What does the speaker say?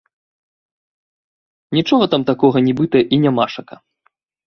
Нічога там такога нібыта і нямашака.